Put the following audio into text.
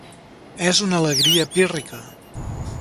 És una alegria pírrica.